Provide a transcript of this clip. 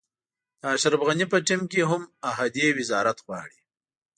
د اشرف غني په ټیم کې هم احدي وزارت غواړي.